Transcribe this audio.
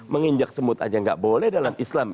menginjak semut aja nggak boleh dalam islam